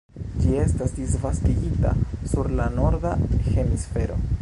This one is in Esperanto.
Ĝi estas disvastigita sur la norda hemisfero.